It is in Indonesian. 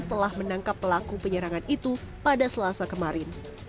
telah menangkap pelaku penyerangan itu pada selasa kemarin